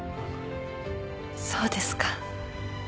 そうですか。